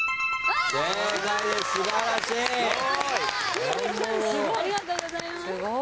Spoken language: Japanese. ありがとうございます。